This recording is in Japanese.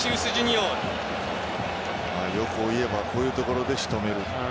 よく言えばこういうところで止める。